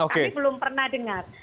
kami belum pernah dengar